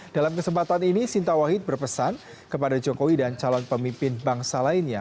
dalam kesempatan ini sinta wahid berpesan kepada jokowi dan calon pemimpin bangsa lainnya